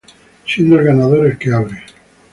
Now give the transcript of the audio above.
Siendo el ganador el que abre.